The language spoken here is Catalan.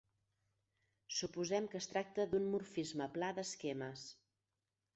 Suposem que es tracta d'un morfisme pla d'esquemes.